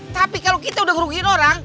tapi kalau kita udah rugiin orang